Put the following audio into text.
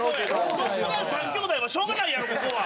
トップガン３兄弟はしょうがないやろここは。